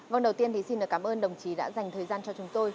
vâng đầu tiên thì xin cảm ơn đồng chí đã dành thời gian cho chúng tôi